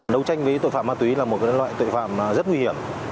đấu tranh với tội phạm ma túy là một loại tội phạm rất nguy hiểm